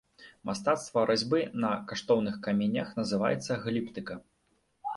Мастацтва разьбы на каштоўных камянях называецца гліптыка.